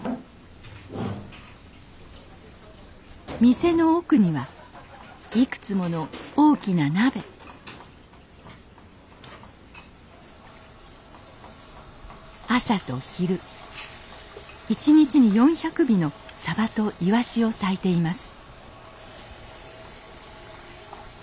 店の奥にはいくつもの大きな鍋朝と昼１日に４００尾のさばといわしを炊いています